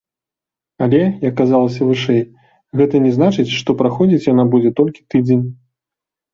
Але, як казалася вышэй, гэта не значыць, што праходзіць яна будзе толькі тыдзень.